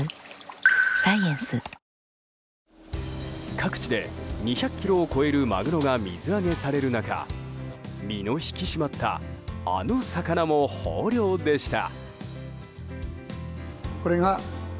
各地で２００ｋｇを超えるマグロが水揚げされる中身の引き締まったあの魚も豊漁でした。